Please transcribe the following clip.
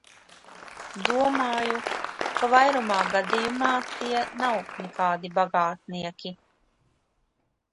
Domāju, ka vairumā gadījumā tie nav nekādi bagātnieki.